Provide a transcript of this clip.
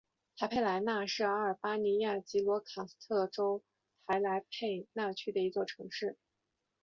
台佩莱纳是阿尔巴尼亚吉罗卡斯特州台佩莱纳区的一座城市。